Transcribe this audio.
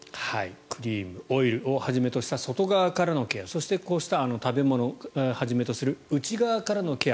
クリームオイルをはじめとした外側からのケアそしてこうした食べ物をはじめとする内側からのケア